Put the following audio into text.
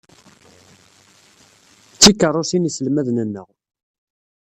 D tikeṛṛusin iselmaden-nneɣ.